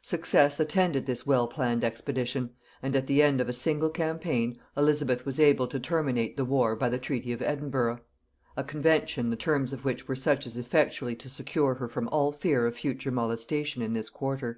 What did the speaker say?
Success attended this well planned expedition, and at the end of a single campaign Elizabeth was able to terminate the war by the treaty of Edinburgh; a convention the terms of which were such as effectually to secure her from all fear of future molestation in this quarter.